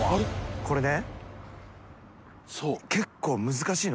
これね。